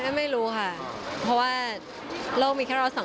พี่พี่ตอบว่าแม่ถ่ายเลยไม่ใช่แหละวะ